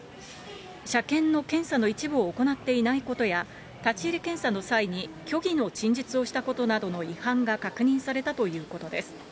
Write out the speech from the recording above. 車検の検査の一部を行っていないことや、立ち入り検査の際に虚偽の陳述をしたことなどの違反が確認されたということです。